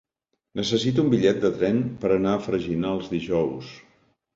Necessito un bitllet de tren per anar a Freginals dijous.